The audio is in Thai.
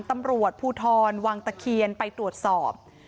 ตำรวจภูทรวังตะเคียนไปตรวจสอบ